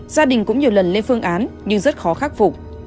gia đình cũng nhiều lần lên phương án nhưng rất khó khắc phục